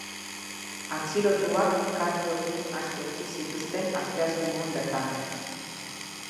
Atxilotuak karguekin aske utzi zituzten asteazkenean bertan.